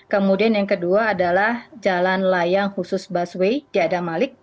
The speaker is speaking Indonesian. kemudian yang kedua adalah jalan layang khusus busway di adamalik